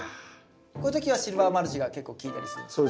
こういう時はシルバーマルチが結構効いたりするんですか？